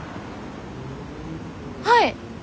はい。